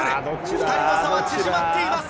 ２人の差は縮まっています。